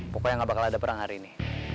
pokoknya gak bakal ada perang hari ini